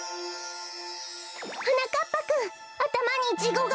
はなかっぱくんあたまにイチゴが！